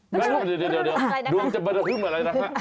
เดี๋ยวดวงจะสะดวกอะไรนะครับ